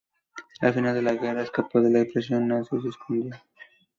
Al final de la guerra, escapó de la prisión nazi y se escondió.